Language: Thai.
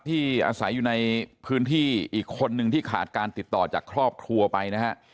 ที่อาศัยอยู่ในพื้นที่อีกคนนึงที่ขาดการติดต่อจากครอบครัวไปนะฮะ